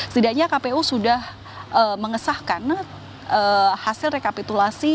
setidaknya kpu sudah mengesahkan hasil rekapitulasi